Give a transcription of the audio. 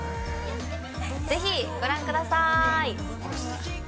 ぜひ、ご覧ください！